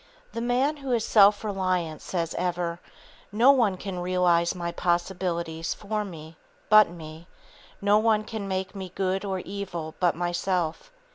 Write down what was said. The man who is self reliant says ever: "No one can realize my possibilities for me, but me; no one can make me good or evil but myself."